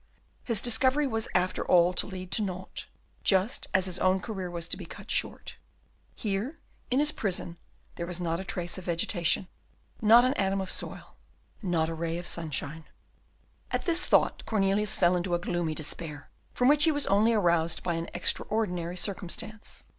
His discovery was, after all, to lead to naught, just as his own career was to be cut short. Here, in his prison, there was not a trace of vegetation, not an atom of soil, not a ray of sunshine. At this thought Cornelius fell into a gloomy despair, from which he was only aroused by an extraordinary circumstance.